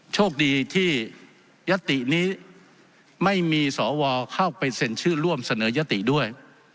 โชคดีที่ยัตตินี้ไม่มีสวเข้าไปเซ็นชื่อร่วมเสนอยติด้วย